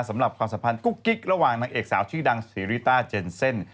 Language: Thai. ความสัมพันธ์กุ๊กกิ๊กระหว่างนางเอกสาวชื่อดังซีริต้าเจนเซ่น